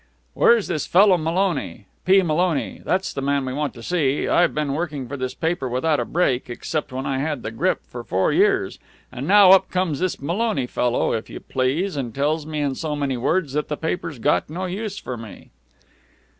"Where's this fellow Maloney? P. Maloney. That's the man we want to see. I've been working for this paper without a break, except when I had the grip, for four years, and now up comes this Maloney fellow, if you please, and tells me in so many words that the paper's got no use for me."